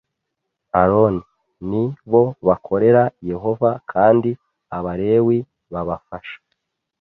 Aroni ni bo bakorera Yehova kandi Abalewi babafasha